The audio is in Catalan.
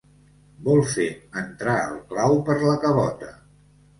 Voler fer entrar el clau per la cabota.